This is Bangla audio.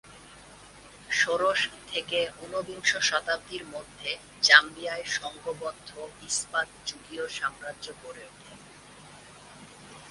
ষোড়শ থেকে ঊনবিংশ শতাব্দীর মধ্যে জাম্বিয়ায় সংঘবদ্ধ ইস্পাতযুগীয় সাম্রাজ্য গড়ে ওঠে।